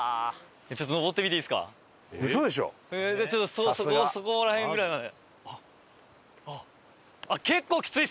さすが！そこら辺ぐらいまで。